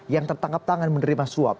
yang tertangkap tangan menerima suap